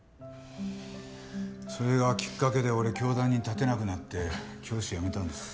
それがきっかけで俺教壇に立てなくなって教師辞めたんです。